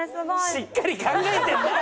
しっかり考えてるな！